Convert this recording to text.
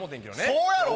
そうやろう！